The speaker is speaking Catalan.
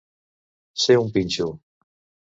Ser un pinxo.